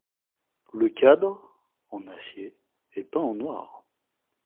Le cadre, en acier, est peint en noir.